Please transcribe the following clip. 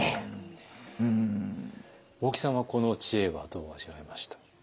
大木さんはこの知恵はどう味わいました？